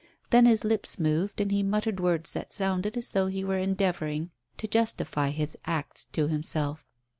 Then his lips moved, and he muttered words that sounded as though he were endeavouring to justify his acts to himself.